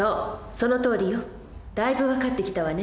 そのとおりよ。だいぶ分かってきたわね。